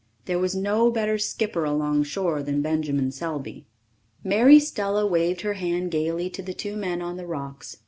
There was no better skipper alongshore than Benjamin Selby. Mary Stella waved her hand gaily to the two men on the rocks.